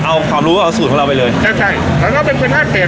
เอาความรู้เอาสูตรของเราไปเลยใช่ใช่เขาก็เป็นคนราบเป็ด